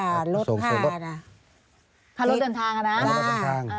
ค่ารถเดินทางอะนะค่ารถเดินทาง